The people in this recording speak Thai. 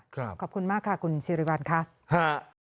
ขอบคุณมากค่ะคุณสิริวัลค่ะ